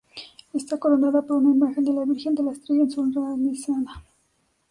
Está coronada por una imagen de la Virgen de la Estrella en su hornacina.